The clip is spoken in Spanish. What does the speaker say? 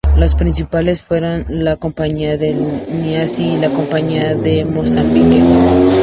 Las principales fueron la Compañía del Niassa y la Compañía de Mozambique.